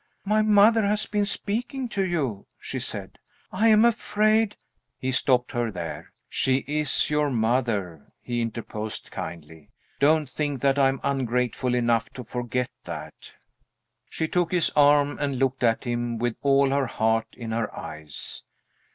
"My mother has been speaking to you," she said. "I am afraid " He stopped her there. "She is your mother," he interposed, kindly. "Don't think that I am ungrateful enough to forget that." She took his arm, and looked at him with all her heart in her eyes.